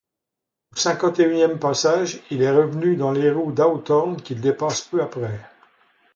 Au cinquante-et-unième passage, il est revenu dans les roues d'Hawthorn, qu'il dépasse peu après.